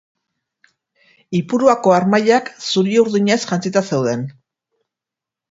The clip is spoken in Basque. Ipuruako harmailak zuri-urdinez jantzita zeuden.